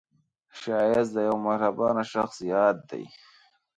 ښایست د یوه مهربان شخص یاد دی